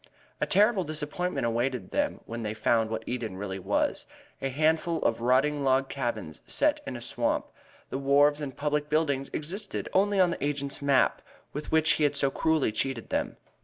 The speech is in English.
A terrible disappointment awaited them when they found what Eden really was a handful of rotting log cabins set in a swamp. The wharves and public buildings existed only on the agent's map with which he had so cruelly cheated them.